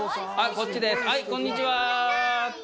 こんにちはって。